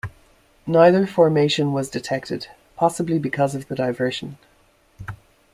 Neither formation was detected, possibly because of the diversion.